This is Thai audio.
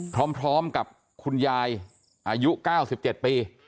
อืมพร้อมกับคุณยายอายุเก้าสิบเจ็ดปี